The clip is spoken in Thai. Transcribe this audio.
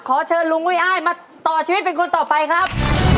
เชิญลุงอุ้ยอ้ายมาต่อชีวิตเป็นคนต่อไปครับ